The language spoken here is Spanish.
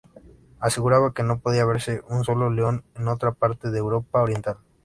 Aseguraba que no podía verse un sólo león en otra parte de Europa oriental.